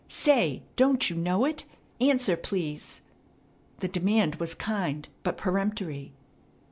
Say, don't you know it? Answer, please," The demand was kind, but peremptory.